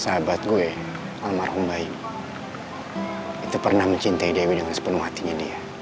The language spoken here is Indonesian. sahabat gue almarhum baik itu pernah mencintai dewi dengan sepenuh hatinya dia